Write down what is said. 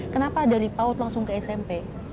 kenapa dari paut langsung ke smp